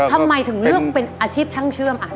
ทำไมถึงเลือกเป็นอาชีพช่างเชื่อม